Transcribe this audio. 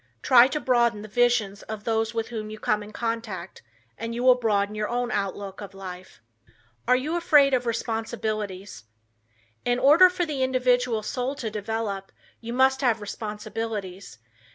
Try to broaden the visions of those with whom you come in contact and you will broaden your own outlook of life. Are You Afraid of Responsibilities? In order for the individual soul to develop, you must have responsibilities.